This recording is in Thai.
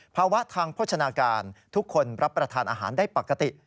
ภาวะทางโภชนาการทุกคนรับประทานอาหารได้ปกติ